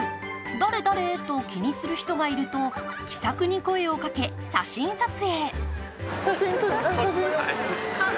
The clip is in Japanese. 誰？と気にする人がいると気さくに声をかけ、写真撮影。